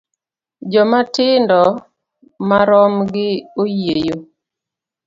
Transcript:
Joma tindo marom gi oyieyo.